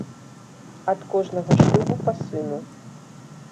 Ад кожнага шлюбу па сыну.